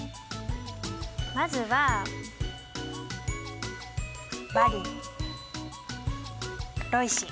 まずはバリンロイシン。